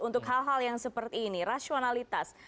untuk hal hal yang seperti ini rasionalitas